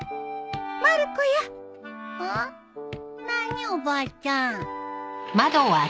何おばあちゃん。